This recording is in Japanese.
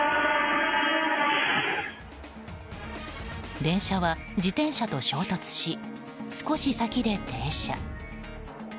電車は自転車と衝突し少し先で停車。